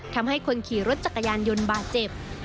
ทำให้คนขี่รถจักรยานยนต์บาดเจ็บ